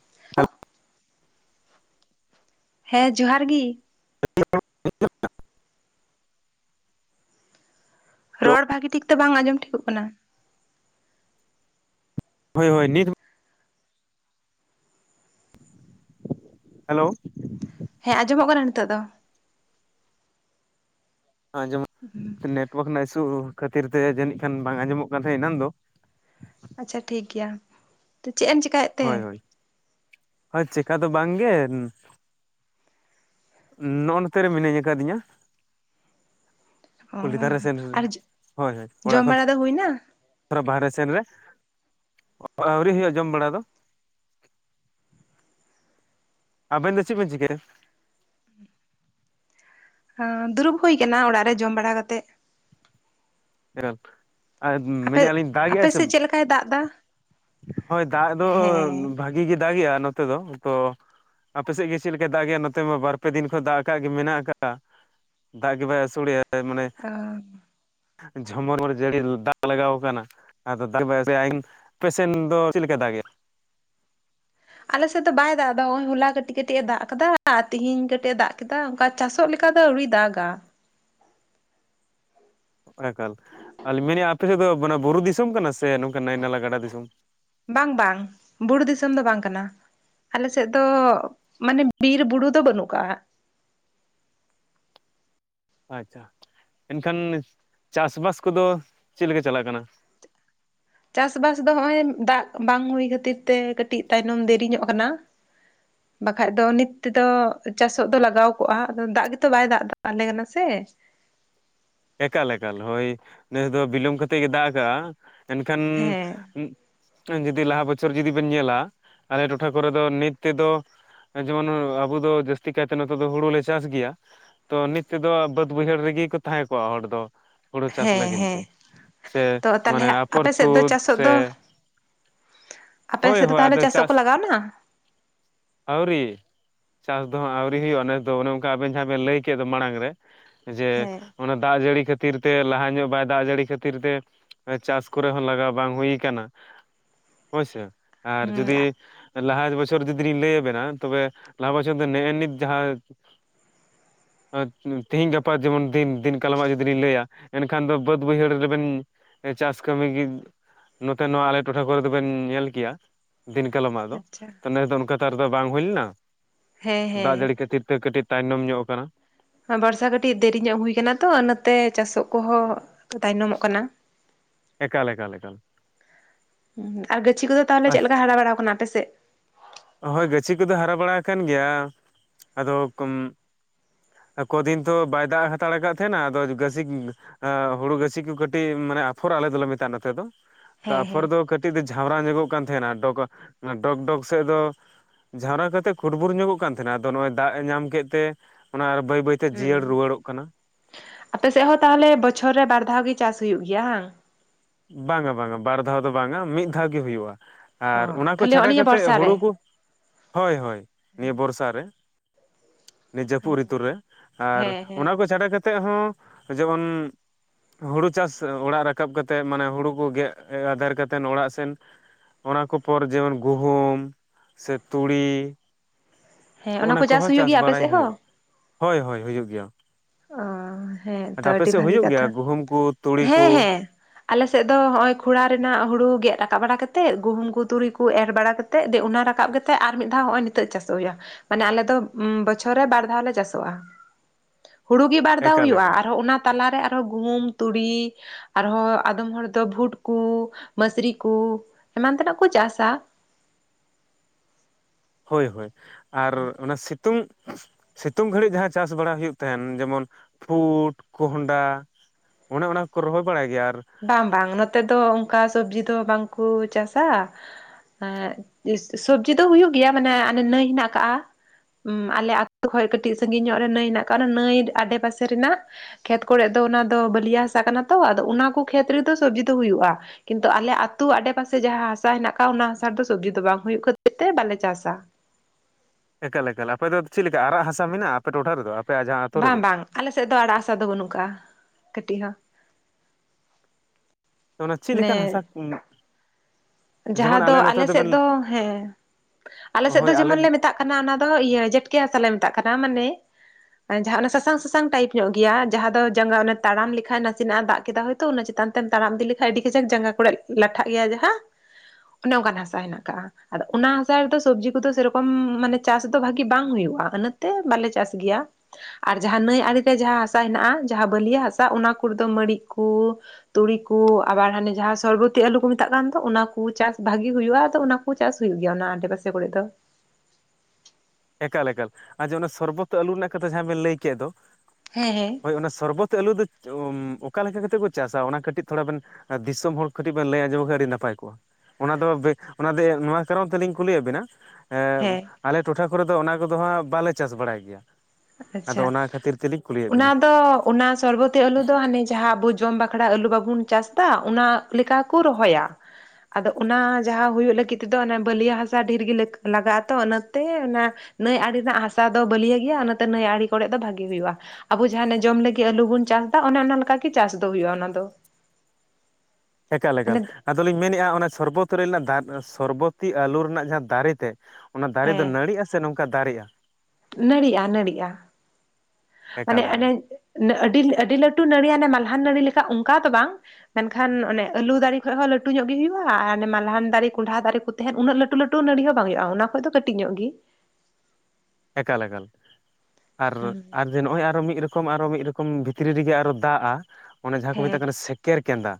[inaudible] ᱦᱮᱸ ᱡᱚᱦᱟᱨ ᱜᱮ ᱦᱮᱞᱳ ᱨᱚᱲ ᱵᱷᱟᱹᱜᱤ ᱴᱷᱤᱠ ᱛᱮ ᱵᱟᱝ ᱟᱸᱡᱚᱢ ᱴᱷᱤᱠᱚᱜ ᱠᱟᱱᱟ ᱦᱳᱭ ᱦᱳᱭ ᱱᱤᱛ ᱦᱮᱞᱳ᱾ ᱦᱮᱸ, ᱟᱸᱡᱚᱢᱚᱜ ᱠᱟᱱᱟ ᱱᱤᱛᱚᱜ ᱫᱚ᱾ ᱟᱸᱡᱚᱢ [unintelligible] ᱱᱮᱴᱣᱟᱨᱠ ᱨᱮᱱᱟᱜ ᱤᱥᱩ ᱠᱷᱟᱹᱛᱤᱨ ᱛᱮ ᱡᱟᱹᱱᱤᱡ ᱠᱷᱟᱱ ᱵᱟᱝ ᱟᱸᱡᱚᱢᱚᱜ ᱠᱟᱱ ᱛᱟᱦᱮᱸ ᱮᱱᱟᱝ ᱫᱚ᱾ ᱟᱪᱪᱷᱟ ᱴᱷᱤᱠ ᱜᱮᱭᱟ᱾ ᱛᱚ ᱪᱮᱫ ᱮᱢ ᱪᱮᱠᱟᱭ᱾ ᱦᱳᱭ ᱦᱳᱭ, ᱪᱮᱠᱟ ᱫᱚ ᱵᱟᱝᱜᱮ᱾ ᱱᱚᱜᱼ ᱱᱚᱛᱮ ᱨᱮ ᱢᱤᱱᱟᱧᱟ ᱠᱟᱫᱤᱧᱟ᱾ ᱚᱻ ᱫᱷᱟᱨᱮ ᱥᱮᱱ ᱨᱮ ᱟᱨ ᱡᱚᱢ ᱵᱟᱲᱟ ᱫᱚ ᱦᱩᱭ ᱱᱟ᱾ ᱛᱚᱲᱟ ᱵᱟᱦᱨᱮ ᱥᱮᱱ ᱨᱮ, ᱟᱹᱣᱨᱤ ᱦᱩᱭᱩᱜᱼᱟ ᱡᱚᱢ ᱵᱟᱲᱟ ᱫᱚ᱾ ᱟᱵᱮᱱ ᱫᱚ ᱪᱮᱫ ᱵᱮᱱ ᱪᱤᱠᱟᱹᱭ᱾ ᱦᱮᱸ, ᱫᱩᱲᱩᱵ ᱦᱩᱭ ᱠᱟᱱᱟ ᱚᱲᱟᱜ ᱨᱮ ᱡᱚᱢ ᱵᱟᱲᱟ ᱠᱟᱛᱮᱜ᱾ [unintelligible] ᱟᱨ ᱟᱯᱮ ᱢᱮᱱᱮᱜᱼᱟᱞᱤᱧ ᱟᱯᱮ ᱫᱟᱜᱮᱼᱟᱭ ᱥᱮ᱾ [unintelligible] ᱫᱟᱜ ᱫᱟ᱾ ᱦᱳᱭ ᱫᱟᱜ ᱫᱚ ᱵᱷᱟᱜᱤ ᱜᱮ ᱫᱟᱜᱮᱼᱟ ᱱᱚᱛᱮ ᱫᱚ, ᱛᱚ ᱟᱯᱮᱥᱮᱫ ᱜᱮ ᱪᱮᱫ ᱞᱮᱠᱟ ᱫᱟᱜ ᱜᱮᱼᱟ ᱱᱚᱛᱮ ᱢᱟ ᱵᱟᱨ ᱯᱮ ᱫᱤᱱ ᱠᱷᱚᱱ ᱫᱟᱜ ᱟᱠᱟ ᱜᱮ ᱢᱮᱱᱟᱜ ᱟᱠᱟᱫᱟ᱾ ᱫᱟᱜ ᱜᱮ ᱵᱟᱭ ᱟᱹᱥᱟᱲᱮᱟᱭ ᱢᱟᱱᱮ ᱚ ᱡᱷᱚᱢᱚᱨ ᱡᱟᱹᱲᱤ ᱫᱟᱜ ᱞᱟᱜᱟᱣ ᱠᱟᱱᱟ ᱟᱫᱚ ᱫᱟᱜ [unintelligible] ᱟᱯᱮ ᱥᱮᱱ ᱫᱚ ᱪᱮᱜ ᱞᱮᱠᱟ ᱫᱟᱜᱮᱟᱭ? ᱟᱞᱮ ᱥᱮᱫ ᱫᱚ ᱵᱟᱭ ᱫᱟᱜ ᱫᱟ ᱦᱚᱜᱼᱚᱭ ᱦᱚᱞᱟ ᱠᱟᱹᱴᱤᱡ ᱠᱟᱹᱴᱤᱡ ᱮ ᱫᱟᱜ ᱠᱟᱫᱟ ᱛᱮᱦᱤᱧ ᱠᱟᱹᱴᱤᱡ ᱮ ᱫᱟᱜ ᱠᱮᱫᱟ ᱚᱱᱠᱟ ᱪᱟᱥᱚᱜ ᱞᱮᱠᱟ ᱫᱚ ᱟᱣᱨᱤ ᱫᱟᱜᱟ᱾ ᱮᱠᱟᱞ, ᱟᱨᱤᱧ ᱢᱮᱱᱮᱫᱼᱟ ᱟᱯᱮ ᱥᱮᱫ ᱫᱚ ᱵᱩᱨᱩ ᱫᱤᱥᱚᱢ ᱠᱟᱱᱟ ᱥᱮ ᱱᱚᱝᱠᱟ ᱱᱟᱭ ᱱᱟᱞᱟ ᱜᱟᱰᱟ ᱫᱤᱥᱚᱢ? ᱵᱟᱝ ᱵᱟᱝ ᱵᱩᱨᱩ ᱫᱤᱥᱚᱢ ᱫᱚ ᱵᱟᱝ ᱠᱟᱱᱟ᱾ ᱟᱞᱮᱥᱮᱫ ᱫᱚ ᱢᱟᱱᱮ ᱵᱤᱨ ᱵᱩᱨᱩ ᱫᱚ ᱵᱟᱹᱱᱩᱜ ᱠᱟᱜᱼᱟ᱾ ᱟᱪᱪᱷᱟ, ᱮᱱᱠᱷᱟᱱ ᱪᱟᱥᱵᱟᱥ ᱠᱚᱫᱚ ᱪᱮᱫ ᱞᱮᱠᱟ ᱪᱟᱞᱟᱜ ᱠᱟᱱᱟ? ᱪᱟᱥᱵᱟᱥ ᱫᱚ ᱱᱚᱜᱼᱚᱭ ᱫᱟᱜ ᱵᱟᱝ ᱦᱩᱭ ᱠᱷᱟᱹᱛᱤᱨ ᱛᱮ ᱠᱟᱹᱴᱤᱡ ᱛᱟᱭᱱᱚᱢ ᱫᱮᱨᱤ ᱧᱚᱜ ᱠᱟᱱᱟ᱾ [inaudible] ᱵᱟᱠᱷᱟᱡ ᱫᱚ ᱱᱤᱛ ᱛᱮᱫᱚ ᱪᱟᱥᱚᱜ ᱫᱚ ᱞᱟᱜᱟᱣ ᱠᱚᱜᱼᱟ ᱟᱫᱚ ᱫᱟᱜ ᱜᱮᱛᱚ ᱵᱟᱭ ᱫᱟᱜ ᱟᱞᱮ ᱠᱟᱱᱟ ᱥᱮ᱾ ᱮᱠᱟᱞ ᱮᱠᱟᱞ ᱦᱳᱭ ᱱᱮᱥ ᱫᱚ ᱵᱤᱞᱚᱢ ᱠᱟᱛᱮ ᱜᱮ ᱫᱟᱜ ᱠᱟᱜᱼᱟ ᱮᱱᱠᱷᱟᱱ ᱦᱮᱸ ᱡᱩᱫᱤ ᱞᱟᱦᱟ ᱵᱚᱪᱷᱚᱨ ᱡᱩᱫᱤ ᱵᱮᱱ ᱧᱮᱞᱟ ᱟᱞᱮ ᱴᱚᱴᱷᱟ ᱠᱚᱨᱮ ᱫᱚ ᱱᱤᱛ ᱛᱮᱫᱚ ᱡᱮᱢᱚᱱ ᱟᱵᱚ ᱫᱚ ᱡᱟᱹᱥᱛᱤ ᱠᱟᱭᱛᱮ ᱱᱚᱛᱮ ᱫᱚ ᱦᱩᱲᱩᱞᱮ ᱪᱟᱥ ᱜᱮᱭᱟ᱾ ᱛᱚ ᱱᱤᱛ ᱛᱮᱫᱚ ᱵᱟᱹᱫ ᱵᱟᱹᱭᱦᱟᱹᱲ ᱨᱮᱜᱮ ᱠᱚ ᱛᱟᱦᱮᱸ ᱠᱚᱜᱼᱟ ᱦᱚᱲ ᱫᱚ᱾ ᱦᱩᱲᱩ ᱪᱟᱥ ᱦᱮᱸ ᱞᱟᱹᱜᱤᱱ ᱦᱮᱸ ᱛᱮ ᱥᱮ ᱛᱚ ᱛᱟᱦᱚᱞᱮ ᱢᱟᱱᱮ ᱟᱯᱷᱚᱨ ᱟᱯᱮ ᱥᱮᱫ ᱫᱚ ᱛᱩᱫ ᱪᱟᱥᱚᱜ ᱥᱮ ᱫᱚ ᱟᱯᱮ ᱦᱳᱭ ᱥᱮᱫ ᱫᱚ ᱦᱳᱭ ᱛᱟᱦᱚᱞᱮ ᱟᱫᱚ ᱪᱟᱥᱚᱜ ᱠᱚ ᱪᱟᱥ ᱞᱟᱜᱟᱣᱱᱟ? ᱟᱹᱣᱨᱤ᱾ ᱪᱟᱥ ᱫᱚ ᱦᱟᱸᱜ ᱟᱹᱣᱨᱤ ᱦᱩᱭᱩᱜᱼᱟ ᱱᱮᱥ ᱫᱚ ᱚᱱᱮ ᱚᱱᱠᱟ ᱟᱵᱮᱱ ᱡᱟᱦᱟᱸ ᱵᱮᱱ ᱞᱟᱹᱭ ᱠᱮᱫ ᱫᱚ ᱢᱟᱲᱟᱝ ᱨᱮ ᱡᱮ ᱦᱮᱸ ᱚᱱᱟ ᱫᱟᱜ ᱡᱟᱹᱲᱤ ᱠᱷᱟᱹᱛᱤᱨ ᱛᱮ ᱞᱟᱦᱟ ᱧᱚᱜ ᱵᱟᱭ ᱫᱟᱜ ᱡᱟᱹᱲᱤ ᱠᱷᱟᱹᱛᱤᱨ ᱛᱮ ᱪᱟᱥ ᱠᱚᱨᱮ ᱦᱚᱸ ᱞᱟᱜᱟᱣ ᱵᱟᱝ ᱦᱩᱭ ᱠᱟᱱᱟ ᱦᱳᱭᱥᱮ ᱟᱨ ᱦᱩᱸ ᱡᱩᱚᱫᱤ ᱞᱟᱦᱟ ᱵᱚᱪᱷᱚᱨ ᱡᱩᱫᱤ ᱞᱤᱧ ᱞᱟᱹᱭ ᱟᱵᱮᱱᱟ ᱛᱚᱵᱮ ᱞᱟᱦᱟ ᱵᱚᱪᱷᱚᱨ ᱫᱚ ᱱᱮᱜᱼᱮ ᱱᱤᱛ ᱡᱟᱦᱟᱸ ᱛᱤᱦᱤᱧ ᱜᱟᱯᱟ ᱡᱮᱢᱚᱱ ᱫᱤᱱ ᱫᱤᱱ ᱠᱟᱞᱚᱢᱟᱜ ᱡᱩᱫᱤ ᱞᱤᱧ ᱞᱟᱹᱭᱟ ᱮᱱᱠᱷᱟᱱ ᱫᱚ ᱵᱟᱹᱫᱽ ᱵᱟᱹᱭᱦᱟᱹᱲ ᱨᱮᱵᱮᱱ ᱪᱟᱥ ᱠᱟᱹᱢᱤ ᱜᱮ ᱱᱚᱛᱮ ᱱᱚᱣᱟ ᱟᱞᱮ ᱴᱚᱴᱷᱟ ᱠᱚᱨᱮ ᱫᱚᱵᱮᱱ ᱧᱮᱞ ᱠᱮᱭᱟ ᱫᱤᱱ ᱠᱟᱞᱚᱢᱟᱜ ᱫᱚ ᱟᱪᱪᱷᱟ ᱛᱚ ᱱᱮᱥ ᱫᱚ ᱚᱱᱠᱟ ᱛᱚ ᱵᱟᱝ ᱦᱩᱭ ᱞᱮᱱᱟ ᱦᱮᱸ ᱫᱟᱜ ᱡᱟᱹᱲᱤ ᱦᱮᱸ ᱠᱷᱟᱹᱛᱤᱨ ᱛᱮ ᱠᱟᱹᱴᱤᱡ ᱛᱟᱭᱱᱚᱢ ᱧᱚᱜ ᱠᱟᱱᱟ᱾ ᱵᱚᱨᱥᱟ ᱠᱟᱹᱴᱤᱡ ᱫᱮᱨᱤ ᱧᱚᱜ ᱦᱩᱭ ᱠᱟᱱᱟ ᱛᱚ ᱚᱱᱟᱛᱮ ᱪᱟᱥᱚᱜ ᱠᱚᱦᱚᱸ ᱛᱟᱭᱱᱚᱼᱢᱚᱜ ᱠᱟᱱᱟ᱾ [inaudible] ᱮᱠᱟᱞ ᱮᱠᱟᱞ ᱮᱠᱟᱞ᱾ ᱟᱨ ᱜᱟᱹᱪᱷᱤ ᱠᱚᱫᱚ ᱛᱟᱦᱚᱞᱮ ᱪᱮᱫ ᱞᱮᱠᱟ ᱦᱟᱨᱟ ᱵᱟᱲᱟ ᱠᱟᱱᱟ ᱟᱯᱮᱥᱮᱫ? ᱦᱳᱭ ᱜᱟᱹᱪᱷᱤ ᱠᱚᱫᱚ ᱦᱟᱨᱟ ᱵᱟᱲᱟ ᱠᱟᱱ ᱜᱮᱭᱟ ᱟᱫᱚ ᱠᱚ ᱠᱚᱫᱤᱱ ᱛᱚ ᱵᱟᱭ ᱫᱟᱜ ᱦᱟᱛᱟᱲ ᱠᱟᱜ ᱛᱟᱦᱮᱱᱟ ᱟᱫᱚ ᱜᱟᱹᱥᱤ ᱦᱩᱲᱩ ᱜᱟᱹᱪᱥᱤ ᱠᱚ ᱠᱟᱹᱴᱤᱡ ᱢᱟᱱᱮ ᱟᱯᱷᱚᱨ ᱟᱞᱮ ᱫᱚᱞᱮ ᱢᱮᱛᱟᱜᱼᱟ ᱱᱚᱛᱮ ᱫᱚ᱾ ᱛᱚ ᱦᱮᱸ ᱟᱯᱷᱚᱨ ᱦᱮᱸ ᱫᱚ ᱠᱟᱹᱴᱤᱡ ᱫᱚ ᱡᱷᱟᱣᱨᱟ ᱧᱚᱜᱚᱜ ᱠᱟᱱ ᱛᱟᱦᱮᱱᱟ ᱰᱚᱜᱚ ᱰᱚᱜᱽ ᱰᱚᱜᱽ ᱥᱮᱡ ᱫᱚ ᱡᱷᱟᱟᱣᱨᱟ ᱠᱟᱛᱮᱜ ᱠᱷᱩᱴᱵᱩᱨ ᱧᱚᱜᱚᱜ ᱠᱟᱱ ᱛᱟᱦᱮᱸᱱᱟ ᱟᱫᱚ ᱱᱚᱜ ᱚᱭ ᱫᱟᱜ ᱮ ᱧᱟᱢ ᱠᱮᱫ ᱛᱮ ᱚᱱᱟ ᱵᱟᱹᱭ ᱵᱟᱹᱭᱛᱮ ᱡᱤᱭᱟᱹᱲ ᱦᱮᱸ ᱨᱩᱣᱟᱹᱲᱚᱜ ᱠᱟᱱᱟ ᱟᱯᱮᱥᱮᱫ ᱦᱚᱸ ᱛᱟᱦᱚᱞᱮ ᱵᱚᱪᱷᱚᱨ ᱨᱮ ᱵᱟᱨ ᱫᱷᱟᱣ ᱜᱤ ᱪᱟᱥ ᱦᱩᱭᱩᱜ ᱜᱮᱭᱟ ᱵᱟᱝ ᱵᱟᱝᱟ ᱵᱟᱝᱟ ᱵᱟᱨ ᱫᱷᱟᱣ ᱫᱚ ᱵᱟᱝᱟ ᱢᱤᱫ ᱫᱷᱟᱣ ᱜᱮ ᱦᱩᱭᱩᱜᱼᱟ ᱚ ᱟᱨ ᱚᱱᱟ ᱠᱚ ᱠᱷᱟᱹᱞᱤ ᱦᱚᱸᱜ ᱪᱷᱟᱰᱟ ᱱᱤᱭᱟᱹ ᱠᱟᱛᱮᱫ ᱵᱚᱨᱥᱟ ᱦᱩᱲᱩ ᱨᱮ? ᱠᱚ ᱦᱳᱭ ᱦᱳᱭ ᱱᱤᱭᱟᱹ ᱵᱚᱨᱥᱟ ᱨᱮ ᱱᱤ ᱡᱟᱹᱯᱩᱫ ᱨᱤᱛᱩ ᱨᱮ ᱟᱨ ᱦᱮᱸ ᱦᱮᱸ ᱚᱱᱟ ᱠᱚ ᱪᱷᱟᱰᱟ ᱠᱟᱛᱮ ᱛᱮ ᱦᱚᱸ ᱡᱮᱢᱚᱱ ᱦᱩᱲᱩ ᱪᱟᱥ ᱚᱲᱟᱜ ᱨᱟᱠᱟᱵ ᱠᱟᱛᱮ ᱛᱮ ᱢᱟᱱᱮ ᱦᱩᱲᱩ ᱠᱚ ᱜᱮᱫ ᱟᱫᱮᱨ ᱠᱟᱛᱮᱮᱫ ᱚᱲᱟᱜ ᱥᱮᱱ ᱚᱱᱟ ᱠᱚ ᱯᱚᱨ ᱡᱮᱢᱚᱱ ᱜᱩᱦᱩᱢ ᱥᱮ ᱛᱩᱲᱤ ᱦᱮᱸ ᱚᱱᱟ ᱠᱚ ᱠᱚᱦᱚᱸ ᱦᱩᱭᱩᱜ ᱪᱟᱥ ᱜᱮᱭᱟ ᱟᱯᱮ ᱵᱟᱲᱟᱭ ᱥᱮᱫ ᱦᱚᱸ? ᱦᱩᱭᱩᱜ ᱦᱳᱭ ᱦᱳᱭ ᱦᱩᱭᱩᱜ ᱜᱮᱭᱟ ᱚ ᱦᱮᱸ ᱛᱚ ᱟᱫᱚ ᱟᱯᱮ ᱟᱹᱰᱤ ᱥᱮᱫ ᱵᱷᱟᱜᱤ ᱦᱩᱭᱩᱜ ᱠᱟᱛᱷᱟ ᱜᱮᱭᱟ ᱜᱩᱦᱩᱢ ᱠᱚ ᱛᱩᱲᱤ ᱠᱚ ᱦᱮᱸ ᱦᱮᱸ ᱟᱞᱮᱥᱮᱫ ᱫᱚ ᱦᱚᱸᱜ ᱚᱭ ᱠᱷᱚᱲᱟ ᱨᱮᱱᱟᱜ ᱦᱩᱲᱩ ᱜᱮᱫ ᱨᱟᱠᱟᱵ ᱵᱟᱲᱟ ᱠᱟᱛᱮ ᱮᱫ ᱜᱩᱦᱩᱢ ᱠᱚ ᱛᱩᱨᱤ ᱠᱚ ᱮᱨ ᱵᱟᱲᱟ ᱠᱟᱛᱮᱮᱫ ᱛᱮᱫ ᱫᱮ ᱚᱱᱟ ᱨᱟᱠᱟᱵ ᱠᱟᱛᱮ ᱮᱫ ᱟᱨ ᱢᱤᱫ ᱫᱷᱟᱣ ᱦᱚᱜᱼᱚᱭ ᱱᱤᱛᱚᱜ ᱪᱟᱥᱚᱜ ᱦᱩᱭᱩᱜ ᱼᱟ ᱢᱟᱱᱮ ᱟᱞᱮ ᱫᱚ ᱵᱚᱪᱷᱚᱨ ᱨᱮ ᱵᱟᱨ ᱫᱷᱟᱣᱞ ᱞᱮ ᱪᱟᱥᱚᱜᱼᱟ ᱦᱩᱲᱩ ᱜᱮ ᱵᱟᱨ ᱫᱷᱟᱣ ᱮᱠᱟᱞ ᱦᱩᱭᱩᱜᱼᱟ ᱮᱠᱟᱞ ᱟᱨᱦᱚᱸ ᱚᱱᱟ ᱛᱟᱞᱟᱨᱮ ᱟᱨᱦᱚᱸ ᱜᱩᱦᱩᱢ ᱛᱩᱲᱤ ᱟᱨᱦᱚᱸ ᱟᱫᱚᱢ ᱦᱚᱲ ᱫᱚ ᱵᱷᱩᱴ ᱠᱩ ᱢᱟᱹᱥᱨᱤ ᱠᱚ ᱮᱢᱟᱱ ᱛᱮᱱᱟᱜ ᱠᱚ ᱪᱟᱥᱟ ᱦᱳᱭ ᱦᱳᱭ ᱟᱨ ᱚᱱᱟ ᱥᱤᱛᱩᱝ ᱥᱤᱛᱩᱝ ᱜᱷᱟᱹᱲᱤᱡ ᱡᱟᱦᱟᱸ ᱪᱟᱥ ᱵᱟᱲᱟ ᱦᱩᱭᱩᱜ ᱛᱟᱦᱮᱸᱱ ᱡᱮᱢᱚᱱ ᱯᱷᱩᱰ ᱠᱚᱸᱦᱚᱱᱰᱟ ᱚᱱᱮ ᱚᱱᱟ ᱠᱚ ᱨᱚᱦᱚᱭ ᱵᱟᱲᱟᱭ ᱜᱮᱭᱟ ᱟᱨ ᱵᱟᱝ ᱵᱟᱝ ᱱᱚᱛᱮ ᱫᱚ ᱚᱱᱠᱟ ᱥᱚᱵᱡᱤ ᱫᱚ ᱵᱟᱝᱠᱚ ᱪᱟᱥᱟ ᱮᱸ ᱥᱚᱵᱡᱤ ᱫᱚ ᱦᱩᱭᱩᱜ ᱜᱮᱭᱟ ᱢᱟᱱᱮ ᱟᱱᱮ ᱱᱟᱹᱭ ᱦᱮᱱᱟᱜ ᱠᱟᱜᱼᱟ ᱮᱸ ᱟᱞᱮ ᱟ ᱟᱹᱛᱩ ᱠᱷᱚᱡ ᱠᱟᱹᱴᱤᱡ ᱥᱟᱺᱜᱤᱧ ᱧᱚᱜ ᱨᱮ ᱱᱟᱹᱭ ᱦᱮᱱᱟᱜ ᱠᱟᱜ ᱚᱱᱟ ᱱᱟᱹᱭ ᱟᱰᱮ ᱯᱟᱥᱮ ᱨᱮᱱᱟᱜ ᱠᱷᱮᱛ ᱠᱚᱨᱮᱜ ᱫᱚ ᱚᱱᱟ ᱫᱚ ᱵᱟᱹᱞᱤᱭᱟ ᱦᱟᱥᱟ ᱠᱟᱱᱟ ᱛᱚ ᱟᱫᱚ ᱚᱱᱟ ᱠᱚ ᱠᱷᱮᱛ ᱨᱮᱫᱚ ᱥᱚᱵᱽᱡᱤ ᱫᱚ ᱦᱩᱭᱩᱜᱼᱟ ᱠᱤᱱᱛᱩ ᱟᱞᱮ ᱟᱹᱛᱩ ᱟᱰᱮ ᱯᱟᱥᱮ ᱡᱟᱦᱟᱸ ᱦᱟᱥᱟ ᱦᱮᱱᱟᱜ ᱟᱠᱟᱜ-ᱟ ᱚᱱᱟ ᱦᱟᱥᱟ ᱨᱮᱫᱚ ᱥᱚᱵᱽᱡᱤ ᱫᱚ ᱵᱟᱝ ᱦᱳᱭᱩᱜ ᱠᱷᱟᱹᱛᱤᱨ ᱛᱮ ᱵᱟᱞᱮ ᱪᱟᱥᱟ ᱮᱠᱟᱞ ᱮᱠᱟᱞ ᱟᱯᱮ ᱫᱚ ᱪᱮᱫ ᱞᱮᱠᱟ ᱟᱨᱟᱜ ᱦᱟᱥᱟ ᱢᱮᱱᱟᱜᱼᱟ ᱟᱯᱮ ᱴᱚᱴᱷᱟ ᱨᱮᱫᱚ ᱟᱯᱮᱭᱟᱜ ᱡᱟᱦᱟᱸ ᱟᱛᱳ ᱵᱟᱝ ᱨᱮᱫᱚ ᱵᱟᱝ ᱟᱞᱮ ᱥᱮᱫ ᱫᱚ ᱟᱲᱟᱜ ᱦᱟᱥᱟ ᱫᱚ ᱵᱟᱹᱱᱩᱜ ᱟᱠᱟᱜ-ᱟ ᱠᱟᱹᱴᱤᱡ ᱦᱚᱸ ᱚᱱᱟ ᱪᱮᱫ ᱢᱟᱱᱮ ᱞᱮᱠᱟᱱ ᱦᱟᱥᱟ ᱩᱸ ᱡᱟᱦᱟᱸ ᱫᱚ ᱟᱞᱮᱥᱮᱫ ᱫᱚᱵᱮᱱ ᱫᱚ ᱦᱮᱸ ᱟᱞᱮᱥᱮᱫ ᱫᱚ ᱦᱳᱭ ᱟᱞᱮ ᱡᱮᱢᱚᱱ ᱞᱮ ᱢᱮᱛᱟᱜ ᱠᱟ- ᱠᱟᱱᱟ ᱚᱱᱟ ᱫᱚ ᱤᱭᱟᱹ ᱡᱮᱴᱠᱮ ᱦᱟᱥᱟᱞᱮ ᱢᱮᱛᱟᱜ ᱠᱟᱱᱟ ᱢᱟᱱᱮ ᱡᱟᱦᱟᱸ ᱚᱱᱟ ᱥᱟᱥᱟᱝ ᱥᱟᱥᱟᱝ ᱴᱟᱭᱤᱯ ᱧᱚᱜ ᱜᱮᱭᱟ ᱡᱟᱦᱟᱸ ᱫᱚ ᱡᱟᱸᱜᱟ ᱚᱱᱮ ᱛᱟᱲᱟᱢ ᱞᱮᱠᱷᱟᱱ ᱱᱟᱥᱮᱱᱟᱜ ᱮ ᱫᱟᱜ ᱠᱮᱫᱟ ᱦᱚᱭ- ᱛᱚ ᱚᱱᱟ ᱪᱮᱛᱟᱱ ᱛᱮᱢ ᱛᱟᱲᱟᱢ ᱤᱫᱤ ᱞᱮᱠᱷᱟᱡ ᱟᱹᱰᱤ ᱠᱟᱡᱟᱠ ᱡᱟᱸᱜᱟ ᱠᱚᱲᱮᱜ ᱞᱟᱴᱷᱟᱜ ᱜᱮᱭᱟ ᱡᱟᱦᱟᱸ ᱚᱱᱮ ᱚᱱᱠᱟᱱ ᱦᱟᱥᱟ ᱦᱮᱱᱟᱜ ᱠᱟᱜᱼᱟ ᱟᱫᱚ ᱚᱱᱟ ᱦᱟᱥᱟ ᱨᱮᱫᱚ ᱥᱚᱵᱽᱡᱤ ᱠᱚᱫᱚ ᱥᱮᱨᱚᱠᱚᱢ ᱢᱟᱱᱮ ᱪᱟᱥ ᱫᱚ ᱵᱷᱟᱜᱤ ᱵᱟᱝ ᱦᱩᱭᱩᱜᱼᱟ ᱤᱱᱟᱹᱛᱮ ᱵᱟᱞᱮ ᱪᱟᱥ ᱜᱮᱭᱟ ᱟᱨ ᱡᱟᱦᱟᱸ ᱱᱟᱹᱭ ᱟᱲᱮ ᱨᱮ ᱡᱟᱦᱟᱸ ᱦᱟᱥᱟ ᱦᱮᱱᱟᱜᱼᱟ ᱡᱟᱦᱟᱸ ᱵᱟᱹᱞᱭᱟᱹ ᱦᱟᱥᱟ ᱚᱱᱟ ᱠᱚᱨᱮᱫᱚ ᱢᱟᱹᱲᱤᱜ ᱠᱩ ᱛᱩᱲᱤ ᱠᱩ ᱟᱵᱟᱨ ᱦᱟᱱᱮ ᱡᱟᱦᱟᱸ ᱥᱚᱨᱵᱚᱛᱤ ᱟᱞᱩ ᱠᱚ ᱢᱮᱛᱟᱜ ᱠᱟᱱ ᱫᱚ ᱚᱱᱟ ᱚᱱᱟ ᱠᱩ ᱪᱟᱥ ᱵᱷᱟᱜᱤ ᱦᱩᱭᱩᱜᱼᱟ ᱟᱫᱚ ᱚᱱᱟ ᱠᱚ ᱪᱟᱥ ᱦᱩᱭᱩᱜ ᱜᱮᱭᱟ ᱚᱱᱟ ᱟᱰᱮ ᱯᱟᱥᱮ ᱠᱚᱨᱮ ᱫᱚ ᱮᱠᱟᱞ ᱮᱠᱟᱞ ᱟᱨ ᱡᱮ ᱚᱱᱟ ᱥᱚᱨᱵᱚᱛᱤ ᱟᱹᱞᱩ ᱨᱮᱱᱟᱜ ᱠᱟᱛᱷᱟ ᱡᱟᱦᱟᱸ ᱵᱮᱱ ᱞᱟᱹᱭ ᱠᱮᱫ ᱫᱚ ᱦᱮᱸ ᱦᱮᱸ ᱦᱳᱭ ᱚᱱᱟ ᱥᱚᱨᱵᱚᱛᱤ ᱟᱹᱞᱩ ᱫᱚ ᱚᱠᱟ ᱞᱮᱠᱟ ᱠᱟᱛᱮ ᱠᱚ ᱪᱟᱥᱟ ᱚᱱᱟ ᱠᱟᱹᱴᱤᱡ ᱛᱷᱚᱲᱟ ᱵᱮᱱ ᱟᱨ ᱫᱤᱥᱚᱢ ᱦᱚᱲ ᱠᱟᱹᱴᱤᱡ ᱵᱮᱱ ᱞᱟᱹᱭ ᱟᱸᱡᱚᱢ ᱞᱮ ᱠᱷᱟᱡ ᱟᱹᱰᱤ ᱱᱟᱯᱟᱭ ᱠᱚᱜᱼᱟ ᱚᱱᱟ ᱫᱚ [unintelligible] ᱚᱱᱟ ᱫᱚ ᱱᱚᱣᱟ ᱠᱟᱨᱚᱱ ᱛᱮᱞᱤᱧ ᱠᱩᱞᱤᱭᱮᱫ ᱵᱮᱱᱟ ᱮᱸᱜ ᱦᱮᱸ ᱟᱞᱮ ᱴᱚᱴᱷᱟ ᱠᱚᱨᱮ ᱫᱚ ᱚᱱᱟ ᱠᱚᱫᱚ ᱦᱟᱸᱜ ᱵᱟᱞᱮ ᱪᱟᱥ ᱵᱟᱲᱟᱭ ᱜᱮᱭᱟ ᱟᱪᱪᱷᱟ ᱟᱫᱚ ᱚᱱᱟ ᱠᱷᱟᱹᱛᱤᱨ ᱛᱮᱞᱤᱧ ᱠᱩᱞᱤᱭᱮᱫ ᱚᱱᱟ ᱵᱤᱱᱟ ᱫᱚ ᱚᱱᱟ ᱥᱚᱨᱵᱚᱛᱤ ᱟᱹᱞᱩ ᱫᱚ ᱦᱟᱱᱮ ᱡᱟᱦᱟᱸ ᱟᱵᱚ ᱡᱚᱢ ᱵᱟᱠᱷᱲᱟ ᱟᱹᱞᱩ ᱵᱟᱵᱚᱱ ᱪᱟᱥ ᱫᱟ ᱚᱱᱟ ᱞᱮᱠᱟ ᱠᱚ ᱨᱚᱦᱚᱭᱟ ᱟᱫᱚ ᱚᱱᱟ ᱡᱟᱦᱟᱸ ᱦᱩᱭᱩᱜ ᱞᱟᱹᱜᱤᱫ ᱛᱮᱫᱚ ᱚᱱᱟ ᱵᱟᱹᱞᱭᱟᱹ ᱦᱟᱥᱟ ᱰᱷᱮᱨ ᱜᱮ ᱞᱟᱜᱟᱜᱼᱟ ᱛᱚ ᱚᱱᱟᱛᱮ ᱚᱱᱟ ᱱᱟᱹᱭ ᱟᱲᱮ ᱨᱮᱱᱟᱜ ᱦᱟᱥᱟ ᱫᱚ ᱵᱟᱹᱞᱭᱟᱹ ᱜᱮᱭᱟ ᱚᱱᱟᱛᱮ ᱱᱟᱹᱭ ᱟᱲᱮ ᱠᱚᱨᱮ ᱫᱚ ᱵᱷᱟᱜᱮ ᱦᱩᱭᱩᱜᱼᱟ ᱟᱵᱚ ᱡᱟᱦᱟᱱᱮ ᱡᱚᱢ ᱞᱟᱹᱜᱤᱫ ᱟᱞᱩ ᱵᱚᱱ ᱪᱟᱥᱫᱟ ᱚᱱᱮ ᱚᱱᱟ ᱞᱮᱠᱟᱜᱮ ᱪᱟᱥ ᱫᱚ ᱦᱩᱭᱩᱜᱼᱟ ᱚᱱᱟ ᱫᱚ ᱮᱠᱟᱞ ᱮᱠᱟᱞ ᱢᱟᱱᱮ ᱟᱫᱚᱞᱤᱧ ᱢᱮᱱᱮᱫᱼᱟ ᱚᱱᱟ ᱥᱚᱨᱵᱚᱛ ᱨᱮ ᱨᱮᱱᱟᱜ ᱫᱟ ᱥᱚᱨᱵᱚᱛᱤ ᱟᱞᱩ ᱨᱮᱱᱟᱜ ᱡᱟᱦᱟᱸ ᱫᱟᱨᱮ ᱛᱮᱫ ᱚᱱᱟ ᱫᱟᱨᱮ ᱫᱚ ᱦᱮᱸ ᱱᱟᱹᱲᱤᱜᱼᱟ ᱥᱮ ᱱᱚᱝᱠᱟ ᱫᱟᱨᱮᱜᱼᱟ ᱱᱟᱹᱲᱤᱜᱼᱟ ᱱᱟᱹᱲᱤᱜᱼᱟ ᱢᱟᱱᱮ ᱮᱠᱟᱞ ᱮᱠᱟᱞ ᱚᱱᱮ ᱟᱹᱰᱤ ᱟᱹᱰᱤ ᱞᱟᱹᱴᱩ ᱱᱟᱹᱲᱤ ᱟᱱᱮ ᱢᱟᱞᱦᱟᱱ ᱱᱟᱹᱲᱤ ᱞᱮᱠᱟ ᱚᱱᱠᱟ ᱫᱚ ᱵᱟᱝ ᱾ ᱢᱮᱱᱠᱷᱟᱱ ᱚᱱᱮ ᱟᱹᱞᱩ ᱫᱟᱨᱮ ᱠᱷᱚᱡ ᱦᱚᱸ ᱞᱟᱹᱴᱩ ᱧᱚᱜ ᱜᱮ ᱦᱩᱭᱩᱜᱼᱟ ᱟᱨ ᱢᱟᱞᱦᱟᱱ ᱫᱟᱨᱮ ᱠᱚᱸᱰᱷᱟ ᱫᱟᱨᱮ ᱠᱚ ᱛᱟᱦᱮᱱ ᱩᱱᱟᱹᱜ ᱞᱟᱹᱴᱩ ᱞᱟᱹᱴᱩ ᱱᱟᱲᱤ ᱦᱚᱸ ᱵᱟᱝ ᱦᱩᱭᱩᱜᱼᱟ, ᱚᱱᱟ ᱠᱷᱚᱱ ᱫᱚ ᱠᱟᱹᱴᱤᱡ ᱧᱚᱜ ᱜᱮ ᱾ ᱮᱠᱟᱞ ᱮᱠᱟᱞ ᱟᱨ ᱦᱮᱸ ᱟ ᱡᱮ ᱱᱚᱜ ᱚᱭ ᱟᱨᱚ ᱢᱤᱫ ᱨᱚᱠᱚᱢ ᱟᱨᱚ ᱢᱤᱫ ᱨᱚᱠᱚᱢ ᱵᱷᱤᱛᱨᱤ ᱨᱮᱜᱮ ᱟᱨᱚ ᱫᱟᱜᱼᱟ ᱚᱱᱮ ᱡᱟᱦᱟᱸ ᱠᱚ ᱢᱮᱛᱟᱜ ᱦᱮᱸ ᱠᱟᱱᱟ ᱥᱮᱠ ᱠᱮᱨ ᱠᱮᱸᱱᱫᱟ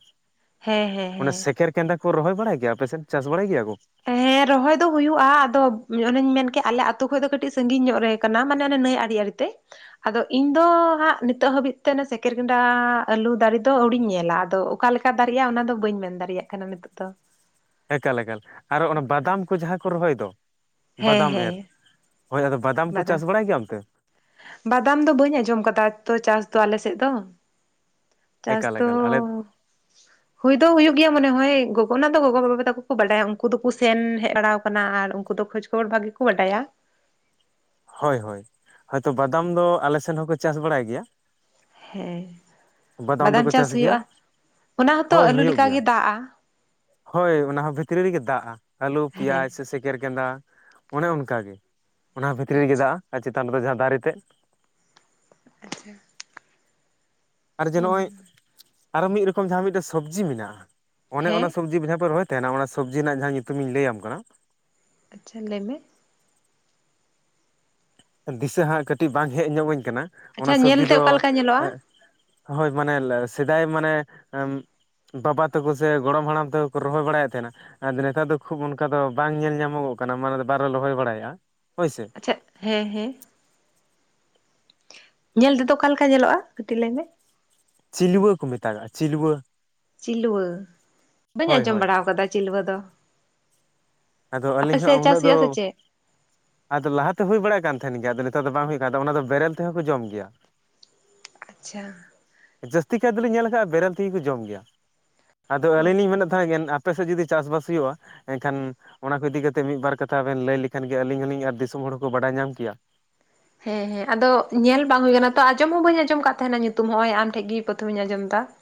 ᱦᱮᱸ ᱚᱱᱮ ᱦᱮᱸ ᱥᱮᱠᱮᱨ ᱠᱮᱸᱱᱫᱟ ᱠᱚ ᱨᱚᱦᱚᱭ ᱵᱟᱲᱟᱭ ᱜᱮᱭᱟ ᱟᱯᱮ ᱥᱮᱫ ᱪᱟᱥ ᱵᱟᱲᱟᱭ ᱜᱮᱭᱟ ᱠᱚ? ᱦᱮᱸ ᱨᱚᱦᱚᱭ ᱫᱚ ᱦᱩᱭᱩᱜ-ᱟ ᱟᱫᱚ ᱚᱱᱮᱧ ᱢᱮᱱᱠᱮᱜ ᱟᱞᱮ ᱟᱛᱩ ᱠᱷᱚᱡ ᱫᱚ ᱠᱟᱹᱴᱤᱡ ᱥᱟᱹᱜᱤᱧ ᱧᱚᱜ ᱨᱮ ᱠᱟᱱᱟ ᱢᱟᱱᱮ ᱚᱱᱮ ᱱᱟᱹᱭ ᱟᱲᱤ ᱟᱲᱤ ᱛᱮ ᱾ ᱟᱫᱚ ᱤᱧ ᱫᱚ ᱦᱟᱸᱜ ᱱᱤᱛᱚᱜ ᱦᱟᱹᱵᱤᱡ ᱛᱮ ᱚᱱᱮ ᱥᱮᱸᱠᱮᱨ ᱜᱮᱰᱟ ᱟᱹᱞᱩ ᱫᱟᱨᱮ ᱫᱚ ᱟᱹᱣᱲᱤᱧ ᱧᱮᱞᱟ ᱟᱫᱚ ᱚᱠᱟ ᱞᱮᱠᱟ ᱫᱟᱹᱨᱤᱜᱼᱟ ᱚᱱᱟ ᱫᱚ ᱵᱟᱹᱧ ᱢᱮᱱ ᱫᱟᱨᱤᱭᱟᱜ ᱠᱟᱱᱟ ᱱᱤᱛᱚᱜ ᱫᱚ ᱾ ᱮᱠᱟᱞ ᱮᱠᱟᱞ ᱟᱨᱚ ᱚᱱᱟ ᱵᱟᱫᱟᱢ ᱠᱚ ᱡᱟᱦᱟᱸ ᱠᱚ ᱨᱚᱦᱚᱭ ᱫᱚ ᱦᱮᱸ ᱵᱟᱫᱟᱢ ᱦᱮᱸ ᱮᱨ ᱦᱳᱭ ᱟᱫᱚ ᱵᱟᱫᱟᱢ ᱠᱚ ᱪᱟᱥ ᱵᱟᱲᱟᱭ ᱜᱮᱭᱟ ᱚᱱᱛᱮ? ᱵᱟᱫᱟᱢ ᱫᱚ ᱵᱟᱹᱧ ᱟᱸᱡᱚᱢ ᱠᱟᱫᱟ ᱛᱚ ᱪᱟᱥ ᱫᱚ ᱟᱞᱮ ᱥᱮᱫ ᱫᱚ ᱾ ᱪᱟᱥ ᱮᱠᱟᱞ ᱫᱚ ᱮᱠᱟᱞ ᱟᱞᱮ ᱦᱩᱭ ᱫᱚ ᱦᱩᱭᱩᱜ ᱜᱮᱭᱟ ᱢᱚᱱᱮ ᱦᱳᱭ ᱚᱱᱟ ᱫᱚ ᱜᱚᱜᱚ ᱚᱱᱟ ᱫᱚ ᱜᱚᱜᱚ ᱵᱟᱵᱟ ᱛᱟᱠᱚ ᱠᱚ ᱵᱟᱰᱟᱭᱟ ᱩᱱᱠᱩ ᱫᱚᱠᱚ ᱥᱮᱱ ᱦᱮᱡ ᱵᱟᱲᱟᱠᱟᱱᱟ ᱟᱨ ᱩᱱᱠᱩ ᱫᱚ ᱠᱷ ᱠᱷᱚᱵᱚᱨ ᱵᱷᱟᱜᱮ ᱠᱚ ᱵᱟᱰᱟᱭᱟ ᱾ ᱦᱳᱭ ᱦᱳᱭ, ᱦᱳᱭᱛᱳ ᱵᱟᱫᱟᱢ ᱫᱚ ᱟᱞᱮ ᱥᱮᱱ ᱦᱚᱸᱠᱚ ᱪᱟᱥ ᱵᱟᱲᱟᱭ ᱜᱮᱭᱟ ᱾ ᱦᱮᱸ ᱵᱟᱫᱟᱢ ᱪᱟᱥ ᱦᱩᱭᱩᱜᱼᱟ, ᱚᱱᱟ ᱦᱚᱸᱛᱚ ᱦᱳᱭ ᱟᱹᱞᱩ ᱦᱩᱭᱩᱜ ᱞᱮᱠᱟ ᱜᱮᱭᱟ ᱜᱮ ᱫᱟᱜᱼᱟ ᱾ ᱦᱳᱭ ᱚᱱᱟ ᱦᱚᱸ ᱵᱷᱤᱛᱨᱤ ᱨᱮᱜᱮ ᱫᱟᱜᱼᱟ ᱟᱹᱞᱩ, ᱦᱮᱸ ᱯᱮᱸᱭᱟᱡᱽ ᱥᱮ ᱥᱮᱸᱠᱮᱨ ᱠᱮᱱᱫᱟ ᱚᱱᱮ ᱚᱱᱠᱟᱟᱜ ᱜᱮ ᱚᱱᱟ ᱵᱷᱤᱛᱨᱤ ᱨᱮᱜᱮ ᱟᱪᱪᱷᱟ ᱫᱟᱜᱼᱟ ᱟᱨ ᱪᱮᱛᱟᱱ ᱨᱮᱫᱚ ᱡᱟᱦᱟᱸ ᱫᱟᱨᱮ ᱛᱮᱫ ᱾ ᱟᱪᱪᱷᱟ ᱾ ᱟᱨ ᱡᱮ ᱱᱚᱜ ᱚᱭ ᱟᱨᱚ ᱢᱤᱫ ᱨᱚᱠᱚᱢ ᱡᱟᱦᱟᱸ ᱢᱤᱫᱴᱮ ᱥᱚᱵᱡᱤ ᱢᱮᱱᱟᱜᱼᱟ, ᱚᱱᱮ ᱦᱮᱸ ᱚᱱᱟ ᱥᱚᱵᱡᱤ ᱵᱮᱡᱷᱟᱣ ᱯᱮ ᱨᱚᱦᱚᱭ ᱛᱟᱦᱮᱱᱟ ᱚᱱᱟ ᱥᱚᱵᱽᱡᱤ ᱨᱮᱱᱟᱜ ᱡᱟᱦᱟᱸ ᱧᱩᱛᱩᱢ ᱤᱧ ᱞᱟᱹᱭ ᱟᱢ ᱠᱟᱱᱟ ᱾ ᱟᱪᱪᱷᱟ ᱞᱟᱹᱭᱢᱮ ᱾ ᱫᱤᱥᱟᱹ ᱦᱟᱸᱜ ᱠᱟᱹᱴᱤᱡ ᱵᱟᱝ ᱦᱮᱡ ᱧᱚᱜᱟᱹᱧ ᱠᱟᱱᱟ, ᱚᱱᱟ ᱟᱪᱪᱷᱟ ᱥᱚᱵᱡᱤ ᱧᱮᱞᱛᱮ ᱫᱚ ᱚᱠᱟ ᱞᱮᱠᱟ ᱧᱮᱞᱚᱜᱼᱟ ᱦᱳᱭ ᱢᱟᱱᱮ ᱞᱮ ᱥᱮᱫᱟᱭ ᱢᱟᱱᱮ ᱮᱸᱻᱢ ᱵᱟᱵᱟ ᱛᱟᱠᱚ ᱥᱮ ᱜᱚᱲᱚᱢ ᱦᱟᱲᱟᱢ ᱛᱟᱠᱚ ᱠᱚ ᱨᱚᱦᱚᱭ ᱵᱟᱲᱟᱭᱮᱫ ᱛᱟᱦᱮᱱᱟ ᱾ ᱟᱫᱚ ᱱᱮᱛᱟᱨ ᱫᱚ ᱠᱷᱩᱵ ᱚᱱᱠᱟ ᱫᱚ ᱵᱟᱝ ᱧᱮᱞ ᱧᱟᱢᱚᱜᱚᱜ ᱠᱟᱱᱟ ᱢᱟᱱᱮ ᱫᱚ ᱵᱟᱨᱮ ᱨᱚᱦᱚᱭ ᱵᱟᱲᱟᱭᱮᱫᱼᱟ ᱦᱳᱭᱥᱮ ᱾ ᱪᱮᱫ, ᱦᱮᱸ ᱦᱮᱸ ᱾ ᱧᱮᱞ ᱛᱮᱫᱚ ᱚᱠᱟᱮ ᱞᱮᱠᱟ ᱧᱮᱞᱚᱜᱼᱟ ᱠᱟᱹᱴᱤᱡ ᱞᱟᱹᱭᱢᱮ? ᱪᱤᱞᱣᱟᱹ ᱠᱚ ᱢᱮᱛᱟᱜᱟᱜᱼᱟ ᱪᱤᱞᱣᱟᱹ ᱾ ᱪᱤᱞᱣᱟᱹ, ᱵᱟᱹᱧ ᱦᱳᱭ ᱟᱸᱡᱚᱢ ᱦᱳᱭ ᱵᱟᱲᱟ ᱠᱟᱫᱟ ᱪᱤᱞᱣᱟᱹ ᱫᱚ ᱾ ᱟᱫᱚ ᱟᱹᱞᱤᱧ ᱦᱚᱸ ᱩᱱᱟᱹᱜ ᱫᱚ ᱦᱩᱭᱩᱜᱼᱟ ᱥᱮ ᱪᱮᱫ ᱟᱫᱚ ᱞᱟᱦᱟᱛᱮ ᱦᱩᱭ ᱵᱟᱲᱟᱜ ᱠᱟᱱ ᱛᱟᱦᱮᱱ ᱜᱮᱭᱟ ᱟᱫᱚ ᱱᱮᱛᱟᱨ ᱫᱚ ᱵᱟᱝ ᱦᱩᱭᱩᱜ ᱠᱟᱱᱟ ᱛᱟ ᱚᱱᱟ ᱫᱚ ᱵᱮᱨᱮᱞ ᱛᱮᱦᱚᱸ ᱠᱚ ᱡᱚᱢ ᱜᱮᱭᱟ ᱾ ᱟᱪᱪᱷᱟ ᱾ ᱡᱟᱹᱥᱛᱤ ᱠᱟᱭ ᱫᱚᱞᱤᱧ ᱧᱮᱞ ᱠᱟᱜᱼᱟ ᱵᱮᱨᱮᱞ ᱛᱮᱜᱮ ᱠᱚ ᱡᱚᱢ ᱜᱮᱭᱟ ᱟᱫᱚ ᱚ ᱟᱹᱞᱤᱧ ᱞᱤᱧ ᱢᱮᱱᱮᱫ ᱛᱟᱦᱮᱸᱱ ᱟᱯᱮ ᱥᱮᱫ ᱡᱩᱫᱤ ᱪᱟᱥᱵᱟᱥ ᱦᱩᱭᱩᱜᱼᱟ, ᱮᱱᱠᱷᱟᱱ ᱚᱱᱟ ᱠᱚ ᱤᱫᱤ ᱠᱟᱛᱮᱫ ᱢᱤᱫ ᱵᱟᱨ ᱠᱟᱛᱷᱟ ᱵᱮᱱ ᱞᱟᱹᱭ ᱞᱮᱠᱷᱟᱱ ᱜᱮ ᱟᱹᱞᱤᱧ ᱦᱚᱸᱞᱤᱧ ᱟᱨ ᱫᱤᱥᱚᱢ ᱦᱚᱲ ᱦᱚᱸᱠᱚ ᱵᱟᱰᱟᱭ ᱧᱟᱢ ᱠᱮᱭᱟ ᱾ ᱦᱮᱸ ᱦᱮᱸ ᱟᱫᱚ ᱧᱮᱞ ᱵᱟᱝ ᱦᱩᱭ ᱠᱟᱱᱟ ᱛᱚ ᱟᱸᱚᱢ ᱦᱚᱸ ᱵᱟᱹᱧ ᱟᱸᱡᱚᱢ ᱠᱟᱜ ᱛᱟᱦᱮᱸᱱᱟ ᱧᱩᱛᱩᱢ ᱦᱚᱜ-ᱚᱭ ᱟᱢ ᱴᱷᱮᱡ ᱜᱮ ᱯᱨᱚᱛᱷᱚᱢᱤᱧ ᱟᱸᱡᱚᱢ ᱫᱟ ᱾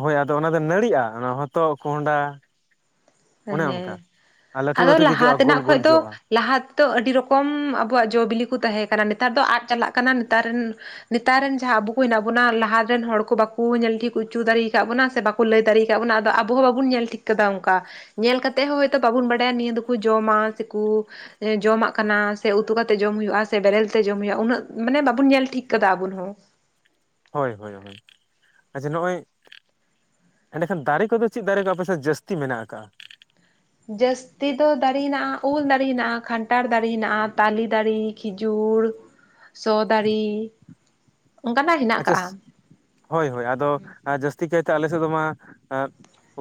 ᱦᱳᱭ ᱟᱫᱚ ᱚᱱᱟ ᱫᱚ ᱱᱟᱹᱲᱤᱜᱼᱟ ᱚᱱᱟ ᱫᱚ ᱦᱚᱛᱚᱜ, ᱠᱚᱸᱦᱰᱟ ᱚᱱᱮ ᱚᱱᱠᱟ ᱦᱮᱸ, ᱟᱨ ᱞᱟᱹᱴᱩ ᱟᱫᱚ ᱞᱟᱹᱴᱩ ᱜᱮ ᱞᱟᱦᱟ ᱡᱚᱜᱼᱟ ᱛᱮᱱᱟᱜ ᱜᱳᱞ ᱠᱷᱚᱡ ᱜᱳᱞ ᱫᱚ ᱡᱚᱜᱼᱟ ᱞᱟᱦᱟ ᱛᱮᱫᱚ ᱟᱹᱰᱤ ᱨᱚᱠᱚᱢ ᱟᱵᱚᱣᱟᱜ ᱡᱚ ᱵᱤᱞᱤ ᱠᱚ ᱛᱟᱦᱮᱸ ᱠᱟᱱᱟ ᱱᱮᱛᱟᱨ ᱫᱚ ᱟᱫ ᱪᱟᱞᱟᱜ ᱠᱟᱱᱟ ᱱᱮᱛᱟᱨ ᱨᱮᱱ ᱱᱮᱛᱟᱨ ᱨᱮᱱ ᱡᱟᱦᱟᱸ ᱟᱵᱚ ᱠᱚ ᱦᱮᱱᱟᱜ ᱵᱚᱱᱟ ᱞᱟᱦᱟ ᱨᱮᱱ ᱦᱚᱲ ᱠᱚ ᱵᱟᱠᱚ ᱧᱮᱞ ᱴᱷᱤᱠ ᱦᱚᱪᱚ ᱫᱟᱲᱮ ᱠᱟᱜ ᱵᱚᱱᱟ ᱥᱮ ᱵᱟ ᱠᱚ ᱞᱟᱹᱭ ᱫᱟᱲᱮ ᱟᱠᱟᱫ ᱵᱚᱱᱟ ᱟᱫᱚ ᱟᱵᱚ ᱦᱚᱸ ᱵᱟᱵᱚᱱ ᱧᱮᱞ ᱴᱷᱤᱠ ᱠᱟᱫᱟ ᱚᱱᱠᱟ ᱾ ᱧᱮᱞ ᱠᱟᱛᱮᱮᱫ ᱦᱚᱸ ᱦᱚᱭᱛᱳ ᱵᱟᱵᱚᱱ ᱵᱟᱰᱟᱭᱟ ᱱᱤᱭᱟᱹ ᱫᱚᱠᱚ ᱡᱚᱢᱟ ᱥᱮ ᱠᱚ ᱡᱚᱢᱟᱜ ᱠᱟᱱᱟ, ᱥᱮ ᱩᱛᱩ ᱠᱟᱛᱮᱜ ᱡᱚᱢ ᱦᱩᱭᱩᱜᱼᱟ ᱥᱮ ᱵᱮᱨᱮᱞ ᱛᱮ ᱡᱚᱢ ᱦᱩᱭᱩᱜᱼᱟ ᱩᱱᱟᱹᱜ ᱢᱟᱱᱮ ᱵᱟᱵᱚᱱ ᱧᱮᱞ ᱴᱷᱤᱠ ᱠᱟᱫᱟ ᱟᱵᱚᱱ ᱦᱚᱸ ᱾ ᱦᱳᱭ ᱦᱳᱭ ᱦᱳᱭ, ᱟᱪᱪᱷᱟ ᱱᱚᱜᱼᱚᱭ ᱮᱸᱰᱮᱠᱷᱟᱱ ᱫᱟᱨᱮ ᱠᱚᱫᱚ ᱪᱮᱫ ᱫᱟᱨᱮ ᱠᱚ ᱟᱯᱮ ᱥᱮᱫ ᱡᱟᱹᱥᱛᱤ ᱢᱮᱱᱟᱜ ᱟᱠᱟᱜᱼᱟ? ᱡᱟᱹᱥ ᱛᱤ ᱫᱚ ᱫᱟᱨᱮ ᱦᱮᱱᱟᱜᱼᱟ ᱩᱞ ᱫᱟᱨᱮ ᱦᱮᱱᱟᱜᱼᱟ, ᱠᱷᱟᱱᱴᱷᱟᱟᱲ ᱫᱟᱨᱮ ᱦᱮᱱᱟᱜᱼᱟ, ᱛᱟᱞᱮ ᱫᱟᱨᱮ, ᱠᱷᱤᱡᱩᱨ ᱾ ᱥᱚ ᱫᱟᱨᱤ᱾ ᱟᱪᱪᱷᱟᱥ᱾ ᱦᱳᱭ ᱦᱳᱭ ᱟᱫᱚ ᱡᱟᱹᱥᱛᱤ ᱠᱟᱭᱛᱮ ᱟᱞᱮ ᱥᱮᱫ ᱢᱟ ᱟ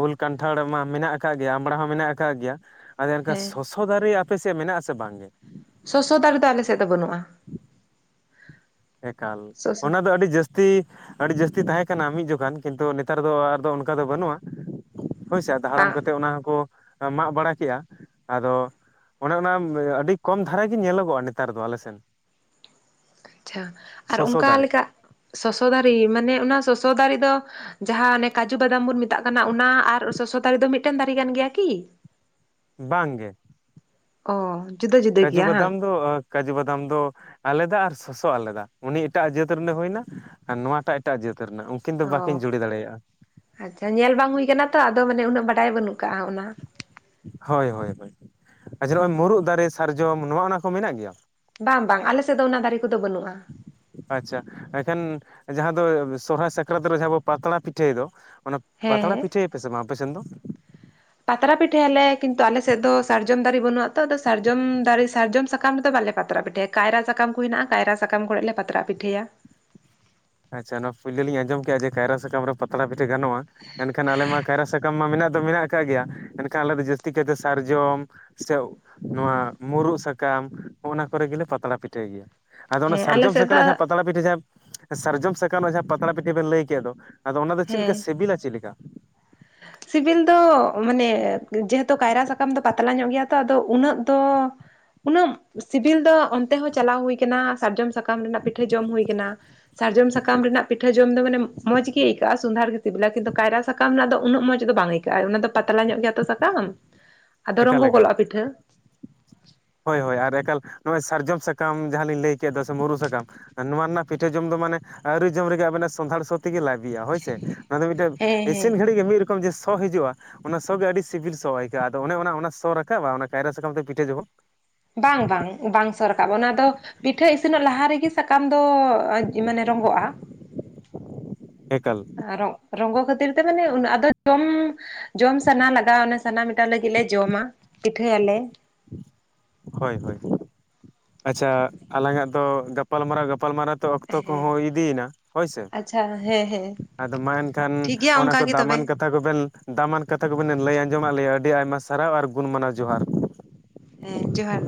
ᱩᱞ ᱠᱟᱱᱴᱷᱟᱲ ᱢᱟ ᱢᱮᱱᱟᱜ ᱟᱠᱟᱫ ᱜᱮᱭᱟ᱾ ᱟᱢᱲᱟ ᱦᱚᱸ ᱢᱮᱱᱟᱜ ᱟᱠᱟᱫ ᱜᱮᱭᱟ᱾ ᱟᱨᱮ ᱮᱱᱠᱷᱟᱱ ᱦᱮᱸ ᱥᱚᱥᱚ ᱫᱟᱨᱮ ᱟᱯᱮ ᱥᱮᱫ ᱢᱮᱱᱟᱜ ᱟᱥᱮ ᱵᱟᱝᱜᱮ? ᱥᱚᱥᱚ ᱫᱟᱨᱮ ᱫᱚ ᱟᱞᱮᱮᱥᱮᱫ ᱫᱚ ᱵᱟᱹᱱᱩᱜᱼᱟ? ᱮᱠᱟᱞ᱾ ᱥᱚᱥᱚ ᱚᱱᱟ ᱫᱚ ᱟᱹᱰᱤ ᱡᱟᱹᱥ ᱛᱤ ᱟᱹᱰᱤ ᱡᱟᱹᱥᱛᱤ ᱛᱟᱦᱮᱸ ᱠᱟᱱᱟ ᱢᱤᱫ ᱡᱚᱠᱷᱟᱱ ᱠᱤᱱᱛᱩ ᱱᱮᱛᱟᱨ ᱫᱚ ᱟᱫᱚ ᱚᱱᱠᱟ ᱫᱚ ᱵᱟᱹᱱᱩᱜᱼᱟ᱾ ᱦᱳᱭᱥᱮ ᱟᱫᱚ ᱦᱟᱲᱟᱢ ᱵᱟᱝ ᱠᱟᱛᱮᱫ ᱚᱱᱟ ᱦᱚᱸᱠᱚ ᱢᱟᱜ ᱵᱟᱲᱟ ᱠᱮᱜᱼᱟ᱾ ᱟᱫᱚ ᱚᱱᱮ ᱚᱱᱟ ᱟᱹᱰᱤ ᱠᱚᱢ ᱫᱷᱟᱨᱟ ᱜᱮ ᱧᱮᱞᱚᱜᱚᱜᱼᱟ ᱱᱮᱛᱟᱨ ᱫᱚ ᱟᱞᱮᱥᱱ᱾ ᱪᱷᱟ ᱟᱨ ᱥᱚᱥᱚ ᱚᱱᱠᱟ ᱫᱟᱨᱮ ᱞᱮᱠᱟ ᱥᱚᱥᱚ ᱫᱟᱨᱤ ᱢᱟᱱᱮ ᱚᱱᱟ ᱥᱚᱥᱚ ᱫᱟᱨᱤ ᱫᱚ ᱡᱟᱦᱟᱸ ᱚᱱᱮ ᱠᱟᱡᱩ ᱵᱟᱫᱟᱢ ᱵᱚᱱ ᱢᱮᱛᱟᱜ ᱠᱟᱱᱟ ᱚᱱᱟ ᱟᱨ ᱥᱚᱥᱚ ᱫᱟᱨᱮ ᱫᱚ ᱢᱤᱫᱴᱟᱹᱱ ᱫᱟᱨᱮ ᱠᱟᱱ ᱜᱮᱭᱟ ᱠᱤ? ᱵᱟᱝ ᱜᱮ᱾ ᱚᱻ ᱡᱩᱫᱟᱹ ᱡᱩᱫᱽ ᱠᱟᱹᱡᱩ ᱵᱟᱫᱟᱢ ᱫᱚ ᱠᱟᱹᱡᱩ ᱵᱟᱫᱟᱢ ᱫᱚ ᱟᱞᱮᱫᱟ ᱟᱨ ᱥᱚᱥᱚ ᱟᱞᱮᱫᱟ ᱩᱱᱤ ᱮᱴᱟᱜ ᱡᱟᱹᱛ ᱨᱮᱱ ᱦᱩᱭᱱᱟ ᱟᱨ ᱱᱚᱣᱟᱴᱟᱜ ᱮᱴᱟᱜ ᱡᱟᱹᱛ ᱨᱮᱱᱟᱜ᱾ ᱠᱤᱱ ᱫᱚ ᱵᱟᱠᱤᱱ ᱚ ᱡᱩᱲᱤ ᱫᱟᱲᱮᱭᱟᱜᱼᱟ᱾ ᱟᱪᱪᱷᱟ ᱧᱮᱞ ᱵᱟᱝ ᱦᱩᱭ ᱠᱟᱱᱟ ᱛᱚ ᱟᱫᱚ ᱢᱟᱱᱮ ᱩᱱᱟᱹᱜ ᱵᱟᱰᱟᱭ ᱵᱟᱹᱱᱩᱜ ᱠᱟᱜᱼᱟ ᱚᱱᱟ᱾ ᱦᱳᱭ ᱦᱳᱭ ᱦᱳᱭ᱾ ᱟᱪᱪᱷᱟ ᱱᱚᱜᱼᱚᱭ ᱢᱩᱨᱩᱫ ᱫᱟᱨᱮ ᱥᱟᱨᱡᱚᱢ ᱱᱚᱜ-ᱚ ᱱᱚᱶᱟ ᱠᱚ ᱢᱮᱱᱟᱜ ᱜᱮᱭᱟ? ᱵᱟᱝ ᱵᱟᱝ ᱟᱞᱮ ᱥᱮᱫ ᱫᱚ ᱚᱱᱟ ᱫᱟᱨᱮ ᱠᱚᱫᱚ ᱵᱟᱹᱱᱩᱜᱼᱟ᱾ ᱟᱪᱪᱷᱟ᱾ ᱮᱱᱠᱷᱟᱱ ᱡᱟᱦᱟᱸ ᱫᱚ ᱥᱚᱨᱦᱟᱭ ᱥᱟᱠᱨᱟᱛ ᱨᱮ ᱡᱟᱦᱟᱸ ᱵᱚᱱ ᱯᱟᱛᱲᱟ ᱯᱤᱴᱷᱟᱹᱭ ᱫᱚ ᱚᱱᱟ ᱼᱼ ᱦᱮᱸ ᱯᱟᱛᱲᱟ ᱦᱮᱸ ᱯᱤᱴᱷᱟᱹᱭᱟᱯᱮ ᱥᱮ ᱵᱟᱝ ᱟᱯᱮ ᱥᱮᱱ ᱫᱚ? ᱯᱟᱛᱲᱟ ᱯᱤᱴᱷᱟᱹᱭᱟᱞᱮ ᱠᱤᱱᱛᱩ ᱟᱞᱮ ᱥᱮᱫ ᱫᱚ ᱥᱟᱨᱡᱚᱢ ᱫᱟᱨᱤ ᱵᱟᱹᱱᱩᱜᱼᱟ ᱛᱚ ᱟᱫᱚ ᱥᱟᱨᱡᱚᱢ ᱫᱟᱨᱤ ᱥᱟᱨᱡᱚᱢ ᱥᱟᱠᱟᱢ ᱨᱮᱫᱚ ᱵᱟᱞᱮ ᱯᱟᱛᱲᱟ ᱯᱤᱴᱷᱟᱹ ᱠᱟᱭᱨᱟ ᱥᱟᱠᱟᱢ ᱠᱚ ᱦᱮᱱᱟᱜᱼᱟ ᱠᱟᱭᱨᱟ ᱥᱟᱠᱟᱢ ᱠᱚᱨᱮ ᱞᱮ ᱯᱟᱛᱲᱟ ᱯᱤᱴᱷᱟᱹᱭᱟ᱾ ᱟᱪᱪᱷᱟ ᱱᱚᱶᱟ ᱯᱩᱭᱞᱳ ᱞᱤᱧ ᱟᱸᱡᱚᱢ ᱠᱮᱜ-ᱟ ᱡᱮ ᱠᱟᱭᱨᱟ ᱥᱟᱠᱟᱢ ᱨᱮ ᱼᱼ ᱯᱟᱛᱲᱟ ᱯᱤᱴᱷᱟᱹ ᱜᱟᱱᱚᱜᱼᱟ ᱮᱱᱠᱷᱟᱱ ᱟᱞᱮ ᱢᱟ ᱠᱟᱭᱨᱟ ᱥᱟᱠᱟᱢ ᱢᱟ ᱢᱮᱱᱟᱜ ᱫᱚ ᱢᱮᱱᱟᱜ ᱠᱟᱜ ᱜᱮᱭᱟ ᱢᱮᱱᱱᱠᱷᱟᱱ ᱟᱞᱮ ᱫᱚ ᱡᱟᱹᱥᱛᱤ ᱠᱟᱛᱮ ᱥᱟᱨᱡᱚᱢ ᱼᱼ ᱥᱮ ᱱᱚᱣᱟ ᱢᱩᱨᱩᱫ ᱥᱟᱠᱟᱢ ᱚᱱᱟ ᱠᱚᱨᱮ ᱜᱮᱞᱮ ᱯᱟᱛᱲᱟ ᱯᱤᱴᱷᱟᱹᱭ᱾ ᱟᱫᱚ ᱚᱱᱟ ᱦᱮᱸ ᱟᱞᱮ ᱥᱟᱨᱡᱚᱢ ᱥᱮᱫ ᱥᱟᱠᱟᱢ ᱫᱚ ᱨᱮᱱᱟᱜ ᱡᱟᱦᱟᱸ ᱯᱟᱛᱲᱟ ᱯᱤᱴᱷᱟᱹ ᱡᱟᱦᱟᱸ ᱥᱟᱨᱡᱚᱢ ᱥᱟᱠᱟᱢ ᱡᱟᱦᱟᱸ ᱯᱟᱛᱲᱟ ᱯᱤᱴᱷᱟᱹ ᱵᱮᱱ ᱞᱟᱹᱭ ᱠᱮᱫ ᱫᱚ ᱟᱫᱚ ᱚᱱᱟ ᱫᱚ ᱪᱮᱫ ᱦᱮᱸ ᱞᱮᱠᱟ ᱥᱤᱵᱤᱞᱟ ᱪᱮᱫ ᱞᱮᱠᱟ? ᱥᱤᱵᱤᱞ ᱫᱚ ᱢᱟᱱᱮ ᱡᱮᱦᱮᱛᱩ ᱠᱟᱭᱨᱟ ᱥᱟᱠᱟᱢ ᱫᱚ ᱯᱟᱛᱞᱟ ᱧᱚᱜ ᱜᱮᱭᱟ ᱛᱚ ᱟᱫᱚ ᱩᱱᱟᱹᱜ ᱫᱚ ᱩᱱᱟᱹᱜ ᱥᱤᱵᱤᱞ ᱫᱚ ᱚᱱᱛᱮ ᱦᱚᱸ ᱪᱟᱞᱟᱣ ᱦᱩᱭ ᱠᱟᱱᱟ ᱥᱟᱨᱡᱚᱢ ᱥᱟᱠ ᱠᱟᱢ ᱨᱮᱱᱟᱜ ᱯᱤᱴᱷᱟᱹ ᱡᱚᱢ ᱦᱩᱭ ᱟᱠᱟᱱᱟ᱾ ᱥᱟᱨᱡᱚᱢ ᱥᱟᱠᱟᱢ ᱨᱮᱱᱟᱜ ᱯᱤᱴᱷᱟᱹ ᱡᱚᱢ ᱫᱚ ᱢᱟᱱᱮ ᱢᱚᱸᱡᱽ ᱜᱮ ᱟᱹᱭᱠᱟᱹᱜᱼᱟ ᱥᱚᱸᱫᱷᱟᱲ ᱜᱮ ᱥᱤᱵᱤᱞᱟ ᱠᱤᱱᱛᱩ ᱠᱟᱭᱨᱟ ᱥᱟᱠᱟᱢ ᱨᱮᱱᱟᱜ ᱫᱚ ᱩᱱᱟᱹᱜ ᱢᱚᱸᱡᱽ ᱫᱚ ᱵᱟᱝ ᱟᱹᱭᱠᱟᱹᱜᱼᱟ᱾ ᱚᱱᱟ ᱫᱚ ᱯᱟᱛᱞᱟ ᱧᱚᱜ ᱜᱮᱭᱟ ᱛᱚ ᱥᱟᱠᱟᱢ ᱟᱫᱚ ᱨᱚᱝᱜᱚ ᱮᱠᱟᱞ ᱮᱠᱟᱞ ᱜᱚᱞᱚᱜᱼᱟ ᱯᱤᱴᱷᱟᱹ᱾ ᱦᱳᱭ ᱦᱳᱭ ᱟᱨ ᱮᱠᱟᱞ ᱱᱚᱜᱼᱚᱭ ᱥᱟᱨᱡᱚᱢ ᱥᱟᱠᱟᱢ ᱡᱟᱦᱟᱸᱞᱤᱧ ᱞᱟᱹᱭ ᱠᱮᱫ ᱫᱚ ᱥᱮ ᱢᱩᱨᱩᱫ ᱥᱟᱠᱟᱢ ᱱᱚᱶᱟ ᱨᱮᱱᱟᱜ ᱯᱤᱴᱷᱟᱹ ᱡᱚᱢ ᱫᱚ ᱢᱟᱱᱮ ᱟᱹᱣᱨᱤ ᱡᱚᱢ ᱨᱮᱜᱮ ᱟᱵᱮᱱᱟᱜ ᱥᱚᱸᱫᱷᱟᱲ ᱥᱚ ᱛᱮᱜᱮ ᱞᱟᱡ ᱵᱤᱜ-ᱟ, ᱦᱳᱭ ᱥᱮ᱾ ᱚᱱᱟ ᱫᱚ ᱢᱤᱫᱴᱟᱹᱱ ᱦᱮᱸ ᱦᱮᱸ ᱤᱥᱤᱱ ᱜᱷᱟᱹᱲᱤᱡ ᱜᱮ ᱢᱤᱫ ᱨᱚᱠᱚᱢ ᱡᱮ ᱥᱚ ᱦᱤᱡᱩᱜᱼᱟ᱾ ᱚᱱᱟ ᱥᱚ ᱜᱮ ᱟᱹᱰᱤ ᱥᱤᱵᱤᱞ ᱥᱚ ᱟᱹᱭᱠᱟᱹᱜᱼᱟ᱾ ᱟᱫᱚ ᱚᱱᱮ ᱚᱱᱟ, ᱚᱱᱟ ᱥᱚ ᱨᱟᱠᱟᱵᱟ ᱚᱱᱟ ᱠᱟᱭᱨᱟ ᱥᱟᱠᱟᱢ ᱛᱮ ᱯᱤᱴᱷᱟᱹ ᱡᱚᱠᱷᱚᱜ ᱵᱟᱝ ᱵᱟᱝ, ᱵᱟᱝ ᱥᱚ ᱨᱟᱠᱟᱵᱼᱟ ᱚᱱᱟ ᱫᱚ ᱯᱤᱴᱷᱟᱹ ᱤᱥᱤᱱᱚᱜ ᱞᱟᱦᱟ ᱨᱮᱜᱮ ᱥᱟᱠᱟᱢ ᱫᱚ ᱢᱟᱱᱮ ᱨᱚᱸᱜᱚᱜᱼᱟ᱾ ᱮᱠᱟᱞ᱾ ᱟᱨᱦᱚ ᱨᱚᱝᱜᱚ ᱠᱷᱟᱹᱛᱤᱨ ᱛᱮ ᱢᱟᱱᱮ ᱟᱫᱚ ᱡᱚᱢ ᱡᱚᱢ ᱥᱟᱱᱟ ᱞᱟᱜᱟᱜᱼᱟ ᱚᱱᱮ ᱥᱟᱱᱟ ᱢᱮᱴᱟᱣ ᱞᱟᱹᱜᱤᱫ ᱞᱮ ᱡᱚᱢᱟ ᱯᱤᱴᱷᱟᱹᱭᱟᱞᱮ᱾ ᱦᱳᱭ ᱦᱳᱭ ᱟᱪᱪᱷᱟ ᱟᱞᱟᱝᱟᱜ ᱫᱚ ᱜᱟᱯᱟᱞᱢᱟᱨᱟᱣ ᱜᱟᱯᱟᱞᱢᱟᱨᱟᱣ ᱛᱚ ᱚᱠᱛᱚ ᱠᱚᱦᱚᱸ ᱦᱮᱸ ᱦᱩᱭ ᱤᱫᱤᱭᱮᱱᱟ ᱦᱳᱭᱥᱮ᱾ ᱟᱪᱪᱷᱟ ᱦᱮᱸ ᱦᱮᱸ ᱟᱫᱚ ᱢᱟ ᱮᱱᱠᱷᱟᱱ ᱴᱷᱤᱠ ᱜᱮᱭᱟ ᱚᱱᱟ ᱠᱚ ᱚᱱᱠᱟ ᱜᱮ ᱛᱚᱵᱮ ᱫᱟᱢᱟᱱ ᱠᱟᱛ ᱛᱷᱟ ᱠᱚᱵᱮᱱ ᱫᱟᱢᱟᱱ ᱠᱟᱛᱷᱟ ᱠᱚᱵᱮᱱ ᱞᱟᱹᱭ ᱟᱸᱡᱚᱢᱫ ᱞᱮᱭᱟ ᱟᱹᱰᱤ ᱟᱭᱢᱟ ᱥᱟᱨᱦᱟᱣ ᱟᱨ ᱜᱩᱱ ᱢᱟᱱᱟᱣ ᱡᱚᱦᱟᱨ᱾ ᱦᱩᱸ ᱡᱚᱦᱟᱨ᱾